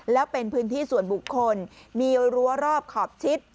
แล้วเป็นพื้นที่ส่วนบุคคลมีรั้วรอบขอบชิด